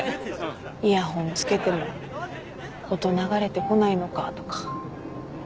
イヤホンつけても音流れてこないのかとか。